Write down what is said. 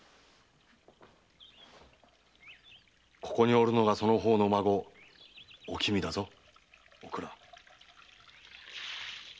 ここにおるのがその方の孫・おきみだぞ。